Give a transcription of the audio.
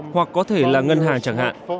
hoặc có thể là ngân hàng chẳng hạn